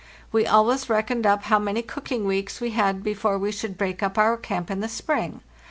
We always reckoned up how many cooking weeks we had before we should break up our camp in the spring.